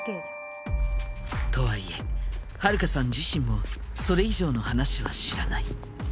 とはいえ春香さん自身もそれ以上の話は知らない。